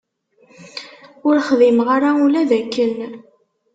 Ur xdimeɣ ara ula d akken.